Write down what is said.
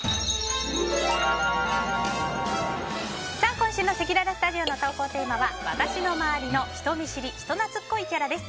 今週のせきららスタジオの投稿テーマは私の周りの人見知り・人懐っこいキャラです。